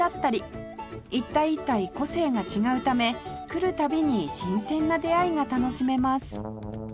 一体一体個性が違うため来る度に新鮮な出会いが楽しめます